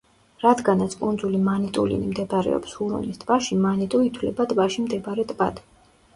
რადგანაც კუნძული მანიტულინი მდებარეობს ჰურონის ტბაში, მანიტუ ითვლება ტბაში მდებარე ტბად.